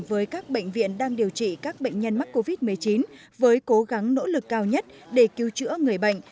với các bệnh viện đang điều trị các bệnh nhân mắc covid một mươi chín với cố gắng nỗ lực cao nhất để cứu chữa người bệnh